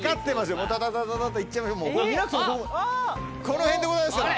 この辺でございますから。